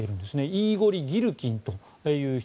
イーゴリ・ギルキンという人。